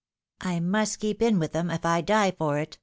" I must keep in with 'em, if I die for it